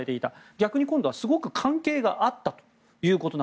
逆に今度はすごく関係があったと。